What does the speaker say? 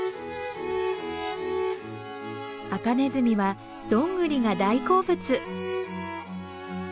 アカネズミはどんぐりが大好物。